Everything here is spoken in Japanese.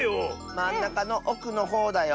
⁉まんなかのおくのほうだよ。